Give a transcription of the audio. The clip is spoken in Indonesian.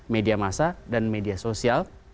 media masa dan media sosial